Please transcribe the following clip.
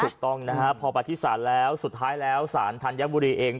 ถูกต้องนะฮะพอไปที่ศาลแล้วสุดท้ายแล้วศาลธัญบุรีเอง